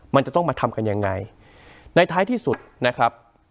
มันจะต้องมาทำกันยังไงในท้ายที่สุดนะครับ